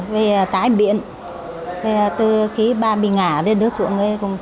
về tái biện từ khi bà bị ngả lên đứa ruộng